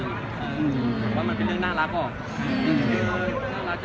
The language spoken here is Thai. เรากลัวไหมเรามโมกเหอะไว้เท่าไหร่ตอนได้อ่านคอมเมนต์เหล่านี้